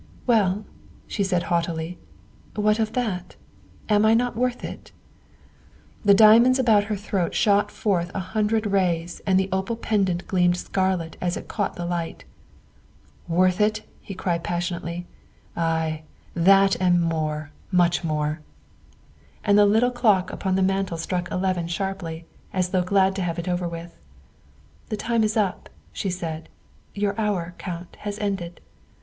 " Well," she said haughtily, " what of that? Am I not worth it?" The diamonds about her throat shot forth a hundred rays and the opal pendant gleamed scarlet as it caught the light. " Worth it?" he cried passionately. " Ay, that and more much more." THE SECRETARY OF STATE 239 And the little clock upon the mantel struck eleven sharply, as though glad to have it over with. '' The time is up, '' she said ;'' your hour, Count, has ended."